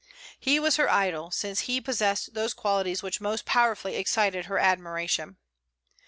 He was her idol, since he possessed those qualities which most powerfully excited her admiration.